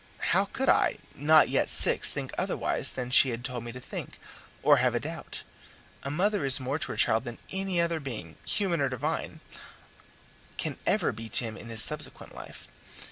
How could I, not yet six, think otherwise than as she had told me to think, or have a doubt? A mother is more to her child than any other being, human or divine, can ever be to him in his subsequent life.